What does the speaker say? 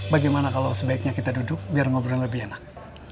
bagaimana kalau sebaiknya kita duduk biar ngobrol lebih enak